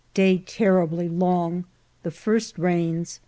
Day terribly long. The first rains.